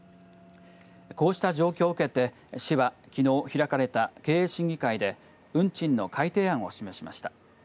こうした状況を受けて市は、きのう開かれた経営審議会で運賃の改定案を示しました。